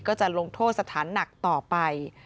ก็จะลงโทษสถานหนักต่อไป